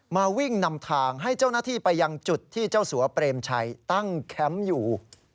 มาวิ่งนำทางให้เจ้าหน้าที่ไปยังจุดที่เจ้าสัวเปรมชัยตั้งแคมป์อยู่